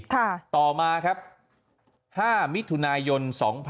ต่อมาครับ๕มิถุนายน๒๕๖๒